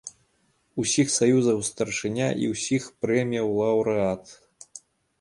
Усіх саюзаў старшыня і ўсіх прэміяў лаўрэат.